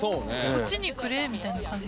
こっちにくれみたいな感じ。